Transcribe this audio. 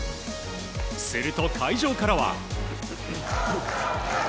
すると、会場からは。